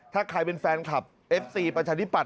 ถ้าใครเป็นแฟนคลับเอฟซีประชาธิปัต